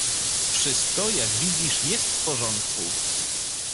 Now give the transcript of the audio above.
"Wszystko, jak widzisz, jest w porządku."